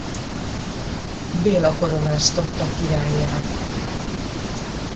Béla koronáztatta királlyá.